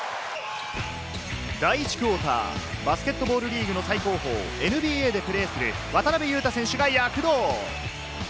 第１クオーター、バスケットボールリーグの最高峰・ＮＢＡでプレーする渡邊雄太選手が躍動。